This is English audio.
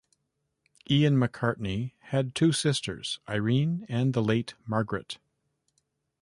Ian McCartney had two sisters, Irene and the late Margaret.